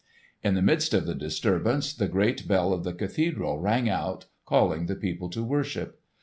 In the midst of the disturbance the great bell of the cathedral rang out calling the people to worship.